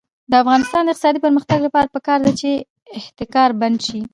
د افغانستان د اقتصادي پرمختګ لپاره پکار ده چې احتکار بند شي.